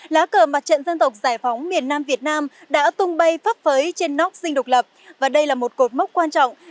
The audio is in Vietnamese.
lá cờ mặt trận dân tộc giải phóng miền nam việt nam đã tung bay phấp phới trên nóc dinh độc lập và đây là một cột mốc quan trọng